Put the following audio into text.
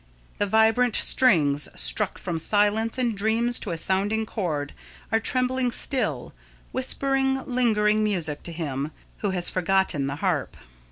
The vibrant strings, struck from silence and dreams to a sounding chord, are trembling still whispering lingering music to him who has forgotten the harp.